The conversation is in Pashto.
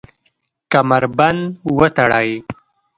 کمربند وتړئ